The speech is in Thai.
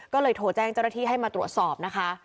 ก็เลยโทรแจ้งเจ้าหน้าที่ให้มาตรวจสอบนะคะ